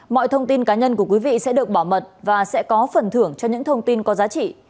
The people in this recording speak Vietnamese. mọi thông tin cá nhân của quý vị sẽ được bảo mật và sẽ có phần thưởng cho những thông tin có giá trị